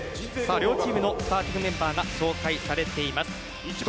両チームのスターティングメンバーが紹介されています。